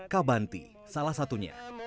kabanti salah satunya